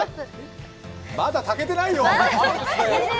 まだ炊けてないよ。